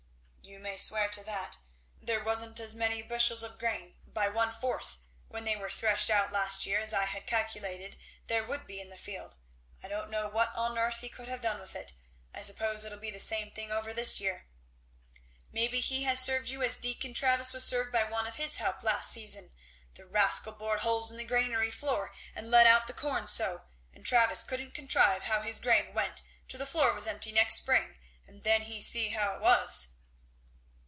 "You may swear to that. There wa'n't as many bushels of grain, by one fourth, when they were threshed out last year, as I had calculated there would be in the field. I don't know what on earth he could have done with it. I suppose it'll be the same thing over this year." "Maybe he has served you as Deacon Travis was served by one of his help last season the rascal bored holes in the granary floor and let out the corn so, and Travis couldn't contrive how his grain went till the floor was empty next spring, and then he see how it was."